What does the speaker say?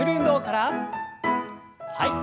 はい。